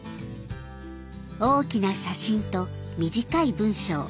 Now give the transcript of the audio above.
大きな写真と短い文章。